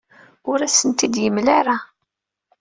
Ur asent-t-id-yemla ara.